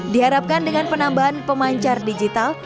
diharapkan dengan penambahan pemancar digital